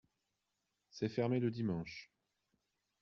C’est fermé le dimanche.